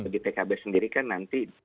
bagi pkb sendiri kan nanti